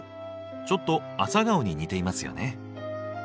ちょっとアサガオに似ていますよね。